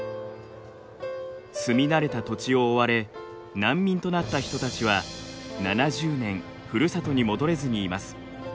住み慣れた土地を追われ難民となった人たちは７０年ふるさとに戻れずにいます。